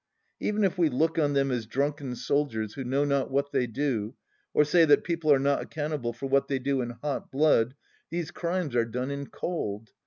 Even if we look on them as drunken soldiers who know not what they do ... or say that people are not accountable for what they do in hot blood, these crimes are done in cold